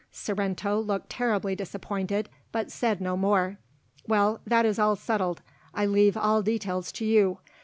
Sorrento looked terribly disappointed but said no more. "Well, that is all settled. I leave all details to you.